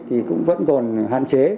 thì cũng vẫn còn hạn chế